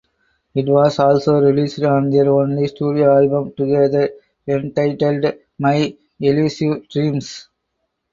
It was also released on their only studio album together entitled My Elusive Dreams.